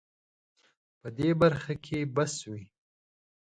په دې برخه کې بس وي